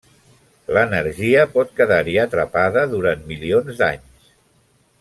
L'energia pot quedar-hi atrapada durant milions d'anys.